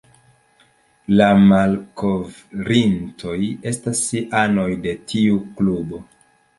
La malkovrintoj estas anoj de tiu klubo.